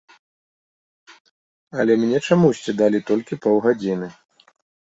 Але мне чамусьці далі толькі паўгадзіны.